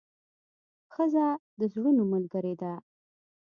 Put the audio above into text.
ښځه د زړونو ملګرې ده.